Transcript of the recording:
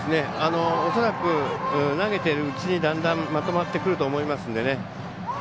恐らく、投げてるうちにだんだんまとまってくると思いますので。